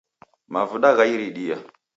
Mavuda gha iridia